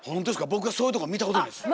僕はそういうとこ見たことないです。